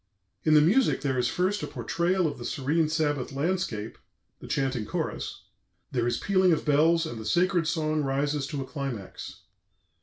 " In the music there is first a portrayal of the serene Sabbath landscape, the chanting chorus; there is pealing of bells, and the sacred song rises to a climax.